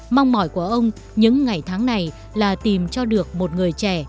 mong mỏi của ông những ngày tháng này là tìm cho được một người trẻ